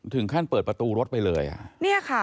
ถึงขั้นเปิดประตูรถไปเลย